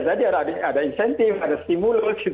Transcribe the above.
tadi ada inisiantif ada stimul